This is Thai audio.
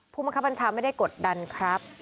มังคับบัญชาไม่ได้กดดันครับ